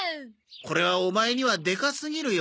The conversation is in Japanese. これはオマエにはでかすぎるよ。